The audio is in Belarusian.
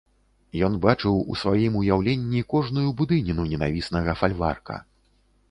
Ён бачыў у сваім уяўленні кожную будыніну ненавіснага фальварка.